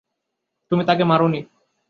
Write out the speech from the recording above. তুমি তাকে মারোনি।